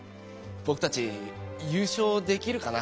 ぼくたちゆうしょうできるかな？